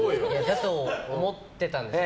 だと思ってたんです。